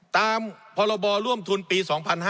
ตามพรบรรย์ร่วมทุนปี๒๕๖๒